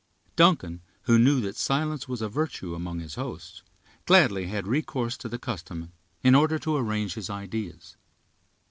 Duncan, who knew that silence was a virtue among his hosts, gladly had recourse to the custom, in order to arrange his ideas.